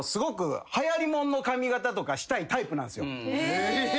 え！？